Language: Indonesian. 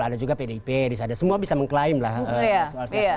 ada juga pdip ris ada semua bisa mengklaim lah soal sehat